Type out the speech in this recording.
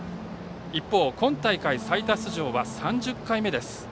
一方、今大会最多出場は３０回目です。